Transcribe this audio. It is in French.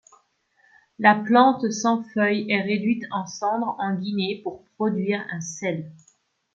La plante sans feuilles est réduite en cendres en Guinée pour produire un sel.